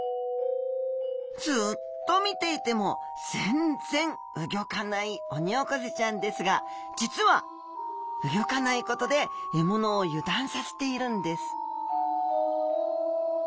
ずっと見ていても全然動かないオニオコゼちゃんですが実は動かないことで獲物を油断させているんです